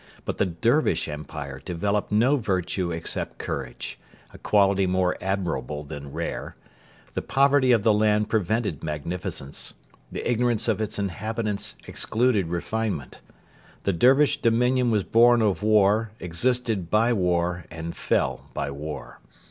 But the Dervish Empire developed no virtue except courage, a quality more admirable than rare. The poverty of the land prevented magnificence. The ignorance of its inhabitants excluded refinement. The Dervish dominion was born of war, existed by war, and fell by war.